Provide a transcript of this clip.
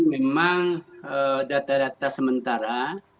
memang data data sementara